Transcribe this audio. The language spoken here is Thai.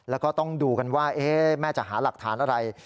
แล้วก็ต้องดูกันว่าแม่จะหาหลักฐานอะไร